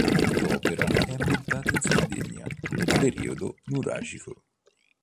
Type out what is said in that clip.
L'opera è ambientata in Sardegna nel periodo nuragico.